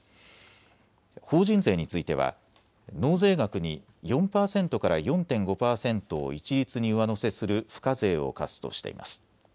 法人税については納税額に４％から４．５％を一律に上乗せする付加税を課すとしています。